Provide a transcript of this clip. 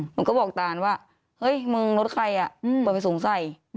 หนูก็บอกตานว่าเฮ้ยมึงรถใครอ่ะเปิดไปสูงใส่